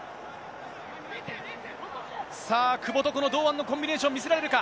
さぁ、久保と堂安のコンビネーション見せられるか。